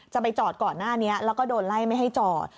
จะไปจอดก่อนหน้านี้แล้วก็โดนไล่ไม่ให้จอด